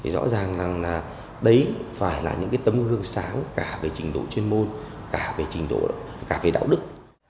rõ ràng là đấy phải là những tấm gương sáng cả về trình độ chuyên môn cả về đại học